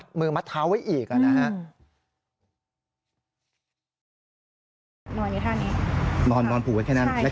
แต่นั่นไหมลักษณะนั่นไหมที่เราเห็น